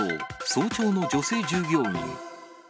早朝の女性従業員。